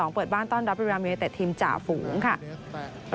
เปิดบ้านต้อนรับบริรามเยเตศทีมจาฝูงครับ